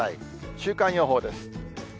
週間予報です。